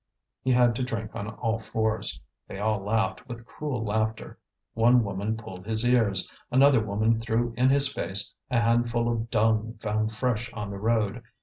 He had to drink on all fours. They all laughed, with cruel laughter. One woman pulled his ears, another woman threw in his face a handful of dung found fresh on the road.